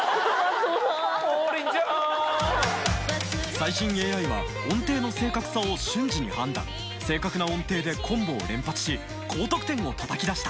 最新ＡＩは音程の正確さを瞬時に判断正確な音程でコンボを連発し高得点をたたき出した